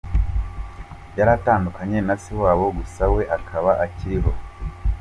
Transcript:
yaratandukanye na se wabo gusa we akaba akiriho.